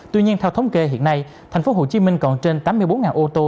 tuy nhiên theo thống kê hiện nay thành phố hồ chí minh còn trên tám mươi bốn ô tô